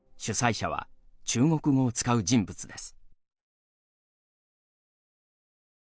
主催者は中国語を使う人物です。